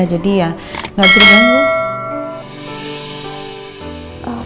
jadi ya gak usah diganggu